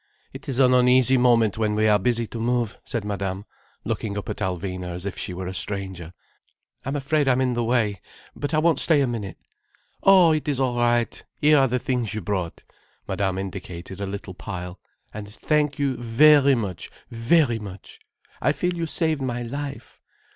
"It is an uneasy moment, when we are busy to move," said Madame, looking up at Alvina as if she were a stranger. "I'm afraid I'm in the way. But I won't stay a minute." "Oh, it is all right. Here are the things you brought—" Madame indicated a little pile—"and thank you very much, very much. I feel you saved my life.